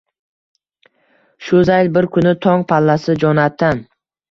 Shu zayl, bir kuni tong pallasi Jonatan